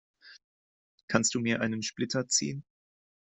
Kannst du mir einen Splitter ziehen?